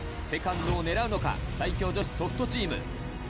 セカンドを狙うのか最強女子ソフトチーム。